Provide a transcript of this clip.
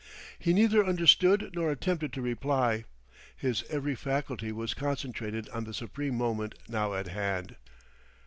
He neither understood nor attempted to reply; his every faculty was concentrated on the supreme moment now at hand.